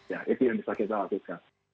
ya itu yang bisa kita lakukan